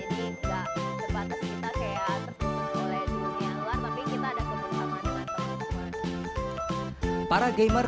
jadi gak terbatas kita kayak tersusun oleh dunia luar tapi kita ada kebersamaan dengan temen temen